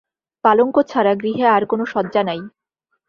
পালঙ্ক ছাড়া গৃহে আর কোনো সজ্জা নাই।